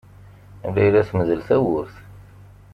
Layla temdel tawwurt.